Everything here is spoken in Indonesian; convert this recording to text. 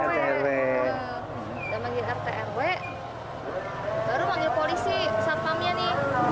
pada manggil rtrw baru manggil polisi